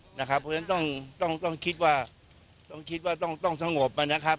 เพราะฉะนั้นต้องต้องต้องคิดว่าต้องคิดว่าต้องต้องสงบมันนะครับ